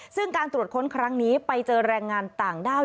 ซึ่งการตรวจค้นครั้งนี้ไปเจอแรงงานต่างด้าว